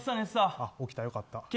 起きた、よかった。